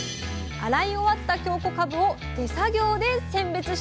洗い終わった京こかぶを手作業で選別していきます。